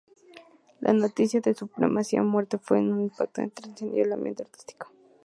La noticia de su prematura muerte fue un impacto que estremeció al ambiente artístico.